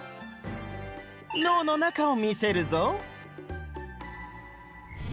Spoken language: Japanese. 脳の中を見せるぞ！